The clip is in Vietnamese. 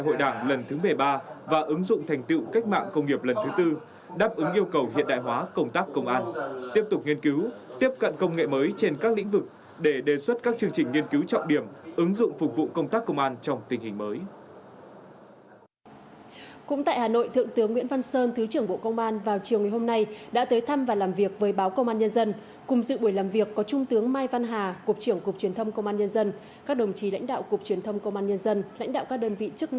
cùng dự buổi làm việc có trung tướng mai văn hà cục trưởng cục truyền thông công an nhân dân các đồng chí lãnh đạo cục truyền thông công an nhân dân lãnh đạo các đơn vị chức năng của bộ công an và lãnh đạo báo công an nhân dân